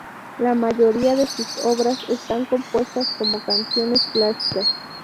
La mayoría de sus obras están compuestas como canciones clásicas.